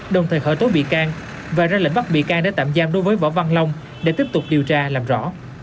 đồng thời khởi tố bị can và ra lệnh bắt bị can để tạm giam đối với võ văn long để tiếp tục điều tra làm rõ